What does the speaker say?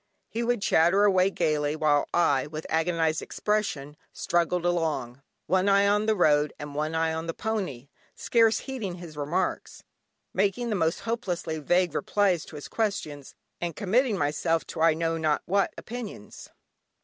He would chatter away gaily, while I, with agonised expression, struggled along, one eye on the road and one eye on the pony, scarce heeding his remarks, making the most hopelessly vague replies to his questions, and committing myself to I know not what opinions.